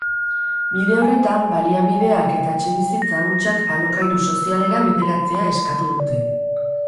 Bide horretan, baliabideak eta etxebizitza hutsak alokairu sozialera bideratzea eskatu dute.